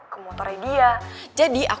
ke motornya dia